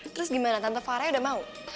terus gimana tante varia udah mau